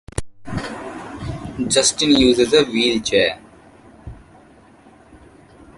Justin uses a wheelchair.